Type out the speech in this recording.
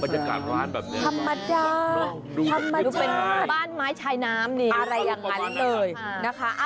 ธรรมดาธรรมดาบ้านไม้ชายน้ำอะไรอย่างนั้นเลยนะคะ